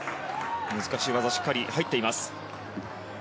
難しい技がしっかり入っています。